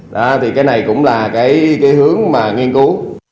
đó thì cái này cũng là cái hướng mà nghiên cứu